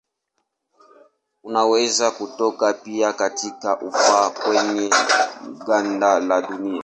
Inaweza kutoka pia katika ufa kwenye ganda la dunia.